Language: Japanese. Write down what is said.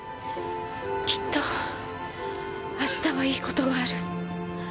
きっと明日はいい事がある。